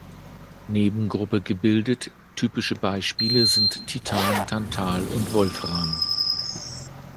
Nebengruppe gebildet, typische Beispiele sind Titan, Tantal und Wolfram.